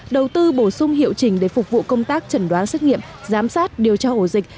đầu tư bổ sung hiệu trình để phục vụ công tác chẩn đoán xét nghiệm giám sát điều tra ổ dịch